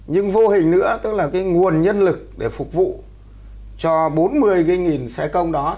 nhưng vô hình nữa tức là cái nguồn nhân lực để phục vụ cho bốn mươi xe công đó